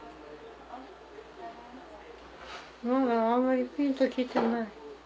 まだあんまりピンと来てない。